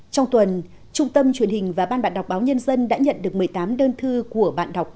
trong tuần trung tâm truyền hình và ban bạn đọc báo nhân dân đã nhận được một mươi tám đơn thư của bạn đọc